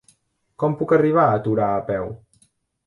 Com puc arribar a Torà a peu?